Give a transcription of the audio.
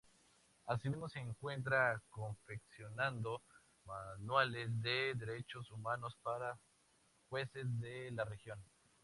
Asimismo se encuentra confeccionando manuales de Derechos Humanos para jueces de la región.